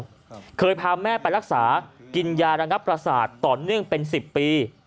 เคยพาแม่ไปรักษากินยาระงับประสาทต่อเนื่องเป็นสิบปี